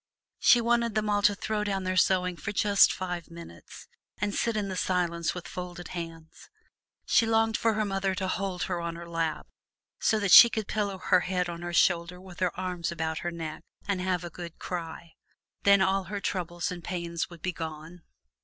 She wanted them all to throw down their sewing for just five minutes, and sit in the silence with folded hands. She longed for her mother to hold her on her lap so, that she could pillow her head on her shoulder with her arms about her neck, and have a real good cry. Then all her troubles and pains would be gone.